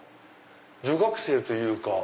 女学生というか。